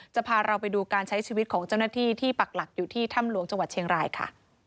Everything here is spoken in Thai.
จะพาเราไปดูการใช้ชีวิตของเจ้าหน้าที่ที่ปักหลักอยู่ที่ถ้ำหลวงจังหวัดเชียงรายค่ะ